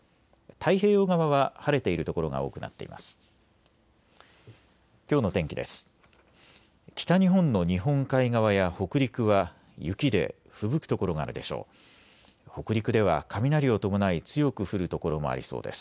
太平洋側は晴れている所が多くなっています。